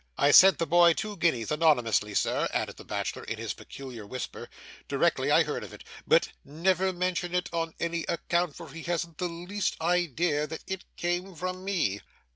I sent the boy two guineas anonymously, sir,' added the bachelor, in his peculiar whisper, 'directly I heard of it; but never mention it on any account, for he hasn't the least idea that it came from me.